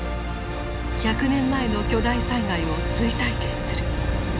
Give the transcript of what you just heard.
１００年前の巨大災害を追体験する。